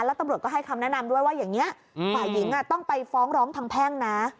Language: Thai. แล้วตำรวจก็ให้คำแนะนำด้วยว่าอย่างนี้ฝ่ายหญิงต้องไปฟ้องร้องทางแพ่งนะ